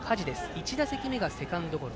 １打席目がセカンドゴロ。